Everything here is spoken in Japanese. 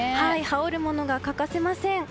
羽織るものが欠かせません。